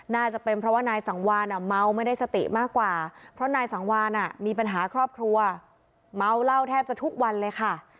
น่าจะเป็นเพราะว่านายสังวานเมาไม่ได้สติมากกว่าเพราะนายสังวานมีปัญหาครอบครัวเมาเหล้าแทบจะทุกวันเลยค่ะ